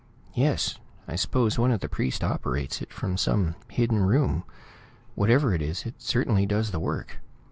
"Yes. I suppose one of the priests operates it from some hidden room. Whatever it is, it certainly does the work.